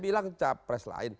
bukan bilang capres lain